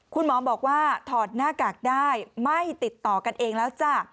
คุณหมอบอกว่าถอดหน้ากากได้ไม่ติดต่อกันเองแล้วจ้ะ